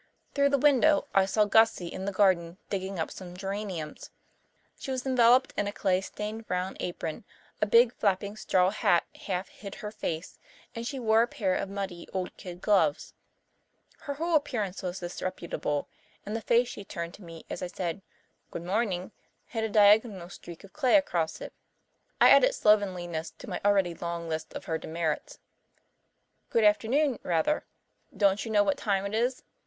Through the window I saw Gussie in the garden digging up some geraniums. She was enveloped in a clay stained brown apron, a big flapping straw hat half hid her face, and she wore a pair of muddy old kid gloves. Her whole appearance was disreputable, and the face she turned to me as I said "Good morning" had a diagonal streak of clay across it. I added slovenliness to my already long list of her demerits. "Good afternoon, rather. Don't you know what time it is?